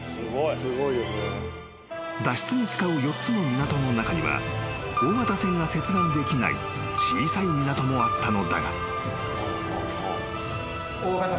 ［脱出に使う４つの港の中には大型船が接岸できない小さい港もあったのだが］